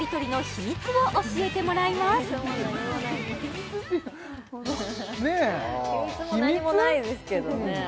秘密も何もないですけどね